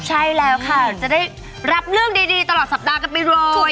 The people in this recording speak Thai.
ใช่แล้วค่ะจะได้รับเรื่องดีตลอดสัปดาห์กันไปเลย